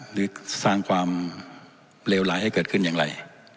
หรือสร้างความเลวร้ายให้เกิดขึ้นอย่างไร